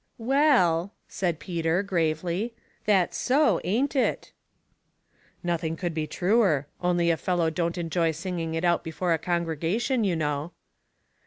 " Well," said Peter, gravely, " that's so, ain't it?" " Nothing could be truer ; only a fellow don't enjoy singing it out before a congregation, you know."